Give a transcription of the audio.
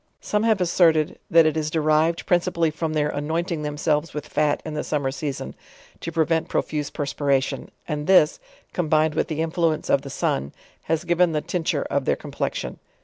Some have asserted, that it is derived prin cipally from their annointing themselves with fat in the summer season, to prevent profuse perspiration, and this, combined with the influence of the sun, has given the tinc ture of their complexion.